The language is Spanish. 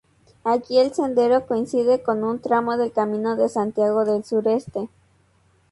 Aquí el sendero coincide con un tramo del Camino de Santiago del Sureste.